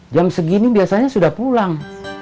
jam segini biasanya sudah pulang